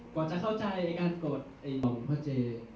ก่อนจะเข้าใจการกดขอบคุณพ่อเจย์